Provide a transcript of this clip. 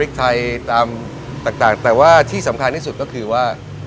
ไทยตามต่างแต่ว่าที่สำคัญที่สุดก็คือว่า